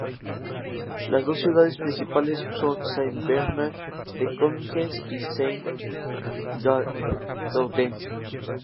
Las dos ciudades principales son Saint Bertrand de Cominges y Saint-Gaudens.